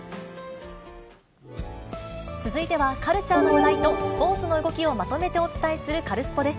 続いては、カルチャーの話題とスポーツの動きをまとめてお伝えするカルスポ